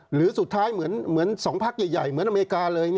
หรือสุดท้ายเหมือน๒พักใหญ่เหมือนอเมริกาเลย